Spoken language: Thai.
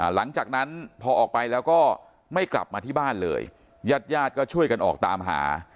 หลังจากนั้นพอออกไปแล้วก็ไม่กลับมาที่บ้านเลยญาติญาติก็ช่วยกันออกตามหา